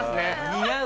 似合う。